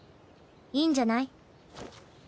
いいんじゃない？